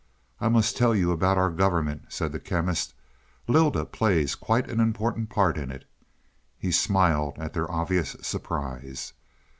"I must tell you about our government," said the Chemist. "Lylda plays quite an important part in it." He smiled at their obvious surprise.